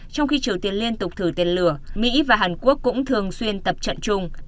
trong khi triều tiên liên tục thử tên lửa mỹ và hàn quốc cũng thường xuyên tập trận chung